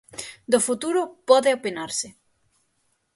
Do futuro pode opinarse.